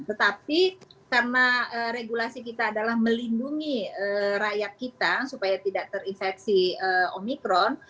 tapi kalau kita melindungi rakyat kita supaya tidak terinfeksi omikron